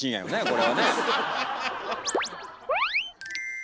これはね。